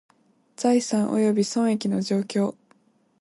財産および損益の状況